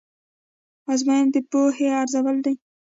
ازموینه د پوهې ارزول دي.